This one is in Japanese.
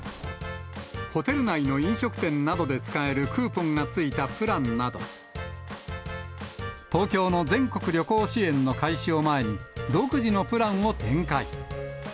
ホテル内の飲食店などで使えるクーポンがついたプランなど、東京の全国旅行支援の開始を前に、独自のプランを展開。